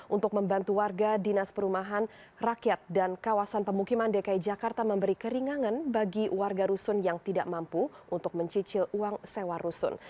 untuk membantu warga dinas perumahan rakyat dan kawasan pemukiman dki jakarta memberi keringanan bagi warga rusun yang tidak mampu untuk mencicil uang sewa rusun